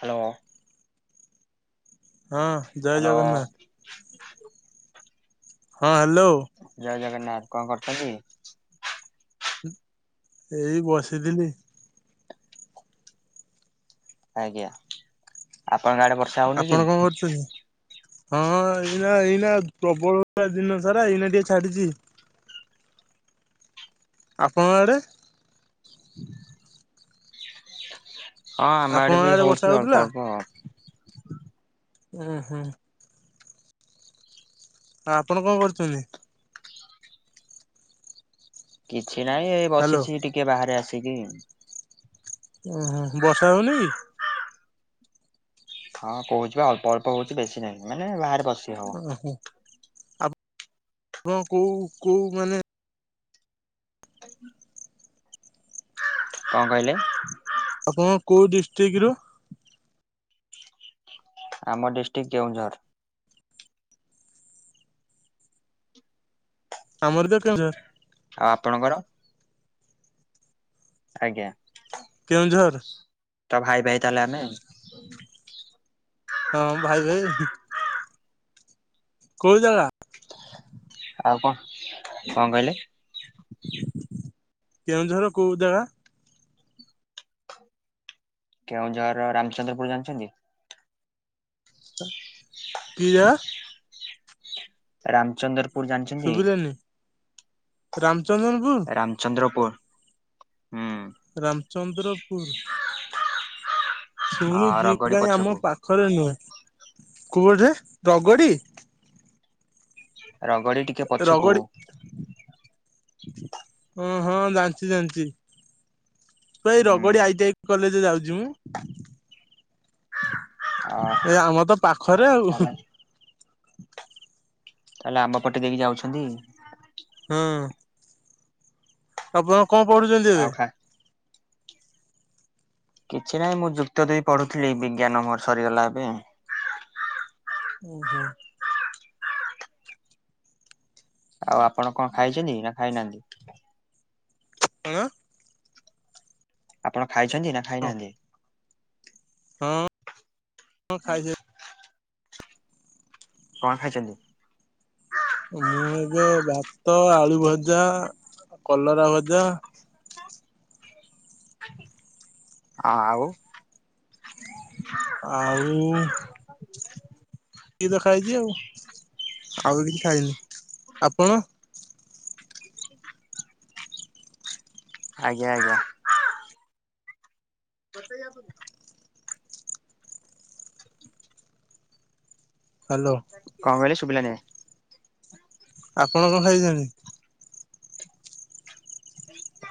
Hello. ହଁ ଜୟ hello Jagannath. [inaudible] ହଁ ହ୍ୟାଲୋ। ନା କଣ କରୁଚ କି? ଏଇ ବସିଥିଲି। ଆଜ୍ଞା। ଆପଣଙ୍କ ଆଡେ ବର୍ଷା ହଉନି ଆପଣ କଣ କି? କରୁଛନ୍ତି? ହଁ ଏଇନା ଏଇନା ପ୍ରବଳ ହଉଥିଲା ଦିନ ସାରା ଏଇନା ଟିକେ ଛାଡିଚି। ଆପଣଙ୍କ ଆଡେ? ହୁଁ ହଁ ଆମ ଆଡେ ଆପଣଙ୍କ ବି ବର୍ଷା ହଉଛି ହଉଥିଲା? ଅଳ୍ପ ଅଳ୍ପ ଆଉ। ଉ ହୁଁ। ହଁ ଆପଣ କଣ କରୁଛନ୍ତି? କିଛି ନାହିଁ ଏଇ ହ୍ୟାଲୋ ବସିଛି ଟିକେ ବାହାରେ ଆସିକି। ଉଁ ହୁଁ। ବର୍ଷା ହଉନି କି? ହଁ କହୁଛି ବା ଅଳ୍ପ ଅଳ୍ପ ହଉଛି ବେଶୀ ନାହିଁ ମାନେ ବାହାରେ ବସି ହବ। ଓହୋ। ହବ କୋଉ କୋଉ ମାନେ କଣ କହିଲେ? ଆପଣଙ୍କ କୋଉ ଡିଷ୍ଟ୍ରିକ୍ଟରୁ? ଆମ ଡିଷ୍ଟ୍ରିକ୍ଟ କେଉଁଝର। ଆମର ତ କେଉଁଝର ଆଉ ଆପଣଙ୍କର? ଆଜ୍ଞା। କେଉଁଝର। ତ ଭାଇ ଭାଇ ତାହେଲେ ଆମେ ଆଉ। ହଁ ଭାଇ ଭାଇ। କୋଉ ଜାଗା? ଆଉ କଣ, କଣ କହିଲେ? କେଉଁଝରର କୋଉ ଜାଗା? କେଉଁଝରର ରାମଚନ୍ଦ୍ରପୁର ଜାଣିଛନ୍ତି? କି ଜାଗା? ରାମଚନ୍ଦ୍ରପୁର ଜାଣିଛନ୍ତି? ରାମ ରାମଚନ୍ଦ୍ରପୁର ହୁଁ। ରାମଚନ୍ଦ୍ରପୁର ଆ ଶୁଣିଚି ରଗଡି କାଇଁ ଆମ ପଛକୁ ପାଖରେ ନୁହେଁ। କୋଉ ଆଡେ ଯେ ରଗଡ଼ି? ରଗଡି ଟିକେ ପଛକୁ। ରଗଡି ହଁ ହଁ ଜାଣିଛି ଜାଣିଛି। ଭାଇ ହୁଁ ରଗଡି ଆଇ ଟି ଆଇ କଲେଜେ ଯାଉଛି ମୁଁ। ଅ ଏଇ ଆମ ତ ପାଖରେ ଆଉ। ତାହେଲେ ତାହେଲେ ଆମ ପଟେ ଦେଇକି ଯାଉଛନ୍ତି। ହଁ ଆପଣ କଣ ପଢୁଛନ୍ତି ଆଉ ଏବେ? ଖା କିଛି ନାହିଁ, ମୁଁ ଯୁକ୍ତ ଦୁଇ ପଢୁଥିଲି ବିଜ୍ଞାନ ମୋର ସରିଗଲା ଏବେ। ଉ ହୁଁ। ଆଉ ଆପଣ କଣ ଖାଇଛନ୍ତି ନା ଖାଇନାହାଁନ୍ତି? [unintelligible] ଆପଣ ଖାଇଛନ୍ତି ନା ଖାଇନାହାଁନ୍ତି? ହଁ ହଁ ଖାଇସାରି କଣ ଖାଇଛନ୍ତି? ମୁଁ ଏବେ ଭାତ, ଆଳୁ ଭଜା, କଲରା ଭଜା ଆଉ ଆଉ ଏତିକି ତ ଖାଇଛି ଆଉ, ଆଉ କିଛି ଖାଇନି। ଆପଣ? ଆଜ୍ଞା ଆଜ୍ଞା। ହ୍ୟାଲୋ କଣ କହିଲେ ଶୁଭିଲାନି ଆଜ୍ଞା? ଆପଣ କଣ ଖାଇଛନ୍ତି?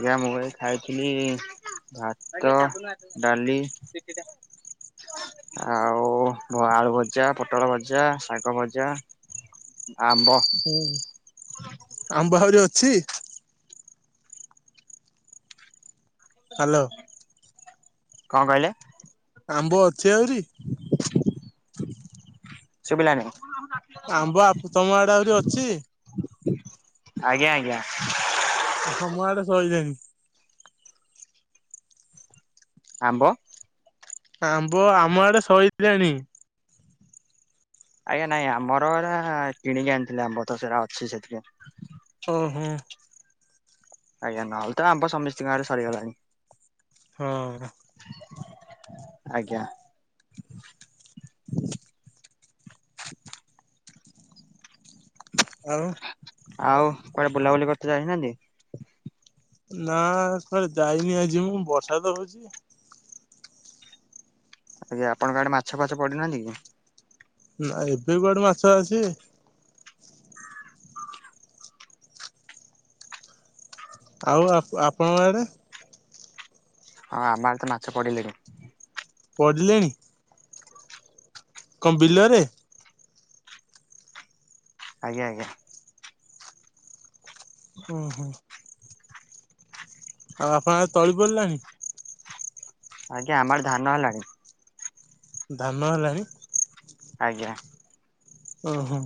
ଆଜ୍ଞା ମୁଁ ଏବେ ଖାଇଥିଲି ଭାତ, ଡାଲି ଆଉ ଆଳୁ ଭଜା, ପୋଟଳ ଭଜା, ଶାଗ ଭଜା। ଆମ୍ବ। ଛି ହାଲୋ। କଣ କହିଲେ? ଆମ୍ବ ଅଛି ଆହୁରି? ଶୁଭିଲାନି? ଆମ୍ବ ଆପ ତମ ଆଡେ ଆହୁରି ଅଛି? ଆଜ୍ଞା ଆଜ୍ଞା। ଆମ ଆଡେ ସଇଲାଣି। ଆମ୍ବ। ଆମ୍ବ ଆମ ଆଡେ ସଇଲାଣି। ଆଜ୍ଞା ନାଇଁ ଆମର ଏରା କିଣିକି ଆଣିଥିଲେ, ଆମ୍ବ ତ ସେରା ଅଛି ସେଥିପାଇଁ। ଓ ହୋ। ଆଜ୍ଞା ନହେଲେ ତ ଆମ ସମସ୍ତିଙ୍କ ଆଡେ ସରିଗଲାଣି। ହଁ। ଆଜ୍ଞା। ଆଉ। ଆଉ କୁଆଡେ ବୁଲାବୁଲି କରିତେ ଯାଇନାହାନ୍ତି? ନା କୁଆଡ଼େ ଯାଇନି, ଆଜି ମୁଁ ବର୍ଷା ତ ହଉଛି। ଆଜ୍ଞା ଆପଣଙ୍କ ଆଡେ ମାଛ ଫାଛ ପଡିନାହାନ୍ତି କି? ନା ଏବେ କୁଆଡେ ମାଛ ଆସିବେ? ଆଉ ଆପ ଆପଣଙ୍କ ଆଡେ? ହଁ ଆମ ଆଡେ ତ ମାଛ ପଡ଼ିଲେଣି। ପଡିଲେଣି? କଣ ବିଲରେ? ଆଜ୍ଞା ଆଜ୍ଞା। ଉଁ - ହୁଁ। ଆଉ ଆପଣଙ୍କ ଆଡେ ତଳି ପଡ଼ିଲାଣି? ଆଜ୍ଞା ଆମ ଆଡେ ଧାନ ହେଲାଣି। ଧାନ ହେଲାଣି? ଆଜ୍ଞା। ଓ ହୋ।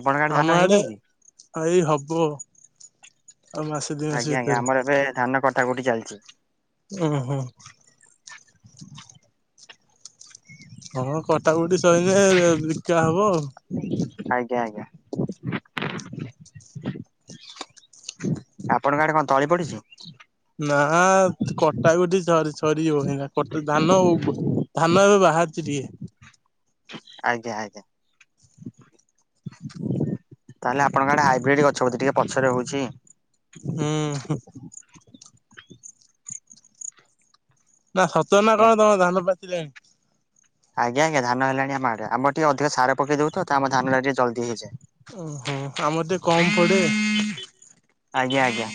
ଆପଣଙ୍କ ଆଡେ ଧାନ ହେଇନେଇ କି? ଏଇ ହବ ଆଉ ମାସେ ଦି ମାସ ଆଜ୍ଞା ଆଜ୍ଞା ଭିତରେ ଆମର ଏବେ ଧାନ କଟା କଟି ଚାଲିଛି। ଉଁ- ହୁଁ। ହଁ କଟାକୁଟି ସଇଲେ ବିକା ହବ ଆଉ। ଆଜ୍ଞା ଆଜ୍ଞା। ଆପଣଙ୍କ ଆଡେ କଣ ତଳି ପଡିଛି? ନା କଟା ବି ଟିକେ ସରି ସରିଯିବ, ସେ ଅଇଁଛା ଧାନ ଧାନ ଏବେ ବାହାରିଛି ଟିକେ। ହ ଆଜ୍ଞା ଆଜ୍ଞା। ତାହେଲେ ଆପଣଙ୍କ ଆଡେ ହାଇବ୍ରିଡ ଗଛ ବୋଧେ, ଟିକେ ପଛରେ ହଉଛି। ହୁଁ ନା ସତ ନା ଏ କଣ ତମ ଧାନ ପାଚିଲଣି? ଆଜ୍ଞ ଆଜ୍ଞା ଧାନ ହେଲାଣି ଆମ ଆଡେ। ଆମର ଟିକେ ଅଧିକ ସାର ପକେଇ ଦଉ ତ, ତ ଆମ ଧାନଟା ଟିକେ ଜଲଦି ହେଇଯାଏ। ଓହୋ ଆମର ତ କମ ପଡେ। ଆଜ୍ଞା ଆଜ୍ଞା।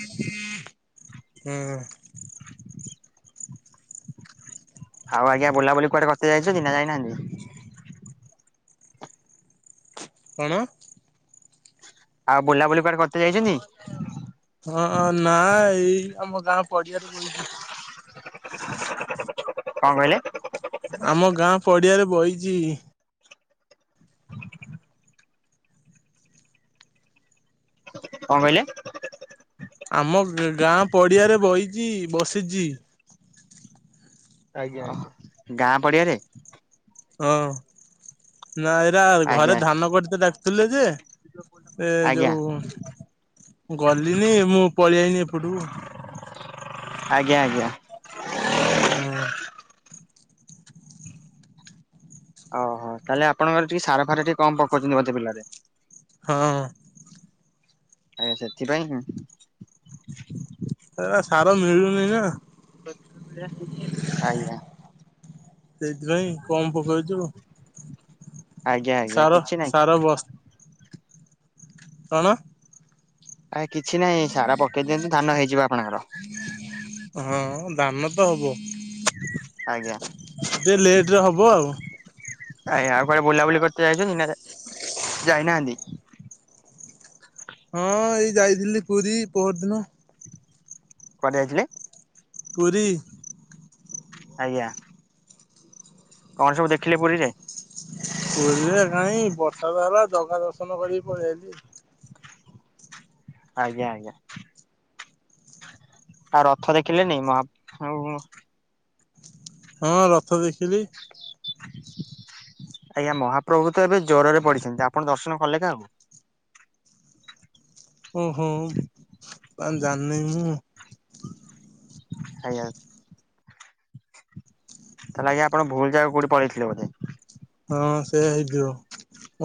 ହୁଁ। ଆଉ ଆଜ୍ଞା ବୁଲାବୁଲି କୁଆଡେ କରତେ ଯାଇଛନ୍ତି ନା ଯାଇନାହାନ୍ତି? କଣ? ଆଉ ବୁଲାବୁଲି କୁଆଡେ କରତେ ଯାଇଛନ୍ତି? ହଁ ନାଁ ଏଇ ଆମ ଗାଁ ପଡିଆରେ ବଇଛି। କଣ କହିଲେ? ଆମ ଗାଁ ପଡିଆରେ ବଇଛି। କଣ କହିଲେ? ଆମ ଗାଁ ପଡିଆରେ ବଇଚି ବସିଛି। [unintelligible] ଗାଁ ପଡିଆରେ? ହଁ ନା ଏଇରା ଆଜ୍ଞା ଘରେ ଧାନ କଟିତେ ଡାକୁଥିଲେ ଯେ ଏ ଆଜ୍ଞା ଯୋଉ ଗଲିନି ମୁଁ ପଳେଇ ଆଇନି ଏପଟକୁ। ଆଜ୍ଞା ଆଜ୍ଞା। ହଁ। ହଁ ତାହେଲେ ଆପଣଙ୍କର ଟିକେ ସାର ଫାର ଟିକେ କମ ପକଉଛନ୍ତି ବୋଧେ ବିଲରେ। ହଁ। ଆଜ୍ଞା ସେଥିପାଇଁ। ସେରା ସାର ମିଳୁନି ନା। ଆଜ୍ଞା। ସେଇଥିପାଇଁ କମ ପକେଇଛୁ। ଆଜ୍ଞା ଆଜ୍ଞା ସାର କିଛି ନାହିଁ ସାର ବସ୍ କଣ? ଆ କିଛି ନାହିଁ ସାରା ପକେଇ ଦିଅନ୍ତୁ ଧାନ ହେଇଯିବ ଆପଣଙ୍କର। ହଁ ଧାନ ତ ହବ। ଆଜ୍ଞା। ଲେଟରେ ହବ ଆଉ। ଆଜ୍ଞା ଆଉ କୁଆଡେ ବୁଲାବୁଲି କରତେ ଯାଇଚନ୍ତି ନା ଯାଇନାହାନ୍ତି? ହ ହଁ ଏଇ ଯାଇଥିଲି ପୁରୀ ପହର ଦିନ। କୁଆଡେ ଯାଇଥିଲେ? ପୁରୀ। ଆଜ୍ଞା। କଣ ସବୁ ଦେଖିଲେ ପୁରୀରେ? ପୁରୀରେ କାଇଁ ବର୍ଷା ତ ହେଲା ଜଗା ଦର୍ଶନ କରିକି ପଳେ ଆଇଲି। ଆଜ୍ଞା ଆଜ୍ଞା। ଆଉ ରଥ ଦେଖିଲେନି ମହା ଉଁ ହଁ ରଥ ଦେଖିଲି। [inaudible] ଆଜ୍ଞା ମହାପ୍ରଭୁ ତ ଏବେ ଜ୍ୱରରେ ପଡିଛନ୍ତି ଆପଣ ଦର୍ଶନ କଲେ କାହାକୁ? ଓହୋ ବା ଜାଣିନି ମୁଁ। ଆଜ୍ଞା। ତାହେଲେ ଆଜ୍ଞା ଆପଣ ଭୁଲ ଯାଗା କୋଉଠି ପଳେଇ ଥିଲେ ବୋଧେ। ହଁ ସେୟା ହେଇଥିବ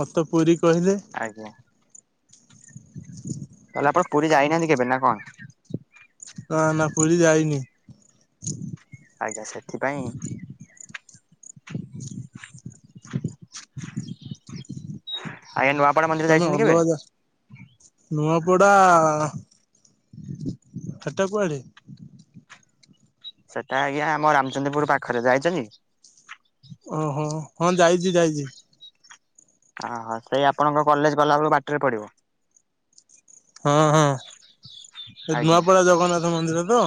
ମତେ ପୁରୀ କହିଲେ। ଆଜ୍ଞା ତାହେଲେ ଆପଣ ପୁରୀ ଯାଇନାହାନ୍ତି କେବେ ନା କଣ? ନା ନା ପୁରୀ ଯାଇନି। ଆଜ୍ଞା ସେଥିପାଇଁ। ଆ ନୂଆ ତମେ ଅଲଗା ଯା ନୂଆପଡା ସେଟା କୁଆଡେ? ସେଟା ଆଜ୍ଞା ଆମ ରାମଚନ୍ଦ୍ରପୁର ପାଖରେ ଯାଇଛନ୍ତି? ଓହୋ ହଁ ଯାଇଛି ଯାଇଛି ଓହୋ ସେଇ ଆପଣଙ୍କ କଲେଜ ଗଲାବେେଳକୁ ବାଟରେ ପଡିବ। ହଁ ହଁ ଏ ଆଜ୍ଞା ନୂଆପଡା ଜଗନ୍ନାଥ ମନ୍ଦିର ତ।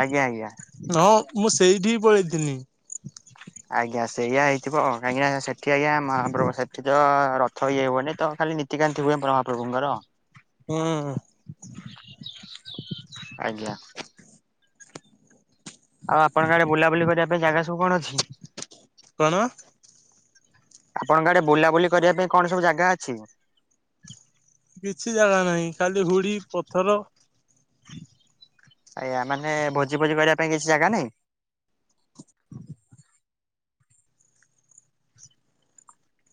ଆଜ୍ଞା ଆଜ୍ଞା। ହଁ ମୁଁ ସେଇଠି ହିଁ ପଳେଇଥିନି। [inaudible] ଆଜ୍ଞା ସେଇଆ ହେଇଥିବ କାହିଁକିନା ସେଠି ଆଜ୍ଞା ମା ପୋ ସେଠି ତ ରଥ ଇଏ ହବନି ତ ଖାଲି ନିତି କାନ୍ତି ହୁଏ ମହାପ୍ରଭୁଙ୍କର। ହୁଁ। ଆଜ୍ଞା। ଆଉ ଆପଣଙ୍କ ଆଡେ ବୁଲାବୁଲି କରିବା ପାଇଁ ଜାଗା ସବୁ କଣ ଅଛି? କଣ? ଆପଣଙ୍କ ଆଡେ ବୁଲାବୁଲି କରିବା ପାଇଁ କଣ ସବୁ ଜାଗା ଅଛି? କିଛି ଜାଗା ନାହିଁ ଖାଲି ହୁଡି ପଥର। ଆଜ୍ଞା ମାନେ ଭୋଜି ଭୋଜି କରିବା ପାଇଁ କିଛି ଜାଗା ନାଇଁ। ହଁ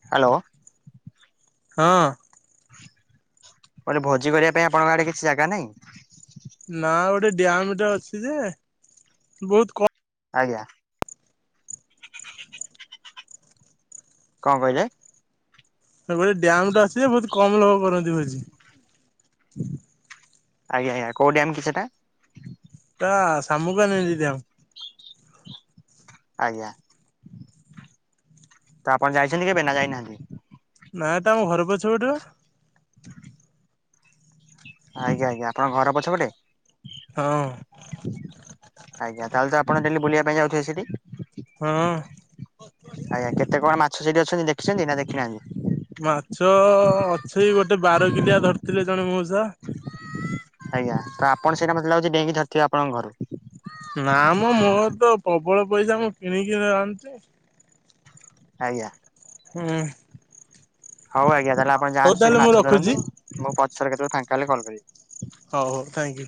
ହ୍ୟାଲୋ। ହଁ। କହିଲି ଭୋଜି କରିବା ପାଇଁ ଆପଣଙ୍କ ଆଡେ କିଛି ଜାଗା ନାହି ଦାମ ଟା ଅଛି ଯେ ବହୁତ କମ୍ ଆଜ୍ଞା। କଣ କହିଲେ? ଗୋଟେ ଡ୍ୟାମ ଟେ ଅଛି ଯେ ବହୁତ କମ ଲୋକ କରନ୍ତି ଭୋଜି? ଆଜ୍ଞା ଆଜ୍ଞା କୋଉ ଡ୍ୟାମ କି ସେଟା? ତା ସାମୁକା ଆ ନେଇ ଦିଦି ଆଉ। ଆଜ୍ଞା ତ ଆପଣ ଯାଇଛନ୍ତି କେବେ ନା ଯାଇନାହାନ୍ତି? ନାଇଁ ତ ଆମ ଘର ପଛ ପଟେ ବା ଆଜ୍ଞା ଆଜ୍ଞା ଆପଣଙ୍କ ଘର ପଛପଟେ? ହଁ ଆଜ୍ଞା ତାହେଲେ ଆପଣଡେଲି ବଲିବା ପାଇଁ ଯାଉ ଥିବେ ସେଠି? ହଁ ଆଜ୍ଞା କେତେ କଣ ମାଛ ସେଠି ଅଛନ୍ତି ଦେଖିଛନ୍ତି ନା ଦେଖିନାହାନ୍ତି? ମାଛ ଅଛି ଗୋଟେ ବାରକିଲିଆ ଧରିଥିଲେ ଜଣେ ମଉସା। ଆଜ୍ଞା ତ ଆପଣ ସେଇଟା ମତେ ଲାଗୁଛି ଡେଇଙ୍କି ଧରିଥିବେ ଆପଣଙ୍କ ଘରୁ? ନା ମ ମୋର ତ ପ୍ରବଳ ପଇସା ମୁଁ କିଣିକି ଆନ୍ତେ? ଆଜ୍ଞା। ହୁଁ। ହଉ ଆଜ୍ଞା ତାହେଲେ ଆପଣ ହଉ ଯାଆନ୍ତୁ ସେଠି ତାହେଲେ ମୁଁ ମାଛ ଧରନ୍ତୁ ରଖୁଛି ମୁଁ ପଛରେ କେତେବେ ଫାଙ୍କା ହେଲେ କଲ କରିବି? ହଉ ହଉ ଥ୍ୟାଙ୍କ ୟୁ।